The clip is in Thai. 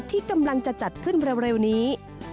ที่กำลังจะจัดขึ้นเร็วนี้